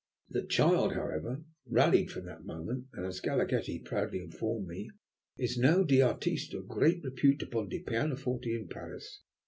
The child, however, rallied from that moment, and, as Galaghetti proudly informed me, 'is now de artiste of great repute upon de pianoforte in Paris.'